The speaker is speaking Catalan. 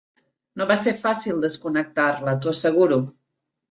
No va ser fàcil desconcertar-la, t'ho asseguro.